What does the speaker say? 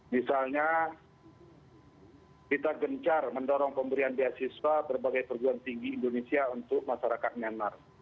misalnya kita gencar mendorong pemberian beasiswa berbagai perguruan tinggi indonesia untuk masyarakat myanmar